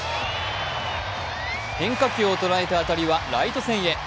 変化球を捉えた当たりはライト線へ。